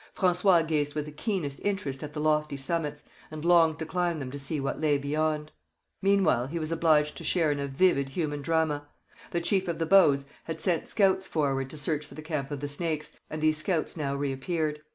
François gazed with the keenest interest at the lofty summits, and longed to climb them to see what lay beyond. Meanwhile he was obliged to share in a vivid human drama. The chief of the Bows had sent scouts forward to search for the camp of the Snakes, and these scouts now reappeared.